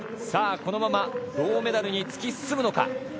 このまま銅メダルに突き進むのか。